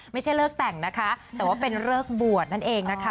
ไม่ใช่เลิกแต่งนะคะแต่ว่าเป็นเลิกบวชนั่นเองนะคะ